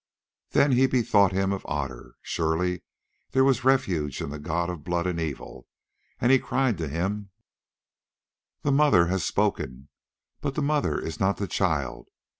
Then he bethought him of Otter. Surely there was refuge in the god of blood and evil; and he cried to him: "The Mother has spoken, but the Mother is not the child.